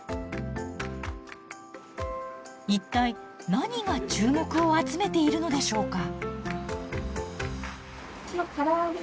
一体何が注目を集めているのでしょうか。